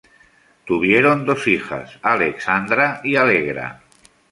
Tuvieron dos hijas, Alexandra y Allegra.